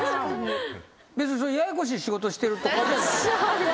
別にややこしい仕事してるとかではない？